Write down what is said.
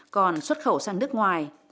còn xuất khẩu sang nước ngoài